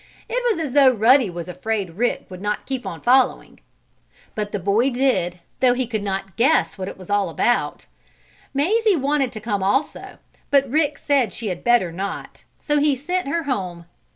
It was as though Ruddy was afraid Rick would not keep on following. But the boy did, though he could not guess what it was all about. Mazie wanted to come also, but Rick said she had better not, so he sent her home.